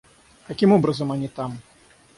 Каким образом они там?